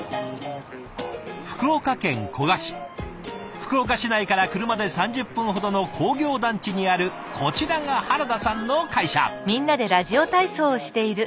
福岡市内から車で３０分ほどの工業団地にあるこちらが原田さんの会社。